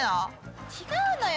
違うのよ